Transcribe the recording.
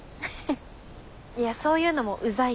いやそういうのもうざいから。